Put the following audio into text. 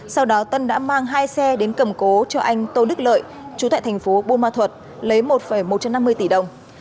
sau đó tân đã mang hai xe đến cầm cố cho anh tô đức lợi chú thại tp bumathuật lấy một một trăm năm mươi tỷ đồng